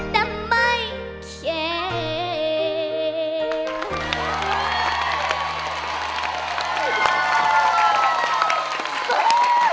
แต่ไม่แค่เธอไป